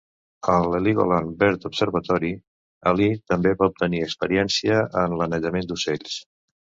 A l'Heligoland Bird Observatory, Ali també va obtenir experiència en l'anellament d'ocells.